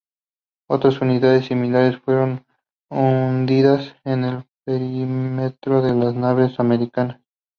Otras unidades similares fueron hundidas en el perímetro de las naves americanas.